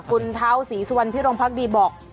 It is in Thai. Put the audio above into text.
คุณเท้าศรีสุวรรณพิรมพักดีบอก